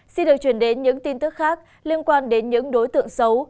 xin được chuyển đến những tin tức khác liên quan đến những đối tượng xấu